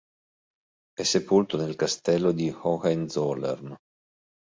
È sepolto nel Castello di Hohenzollern.